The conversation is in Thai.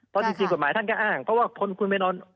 เพราะจริงกฎหมายท่านก็อ้างเพราะว่าคนคุณไปนอน